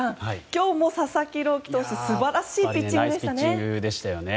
今日も佐々木朗希投手素晴らしいピッチングでしたね。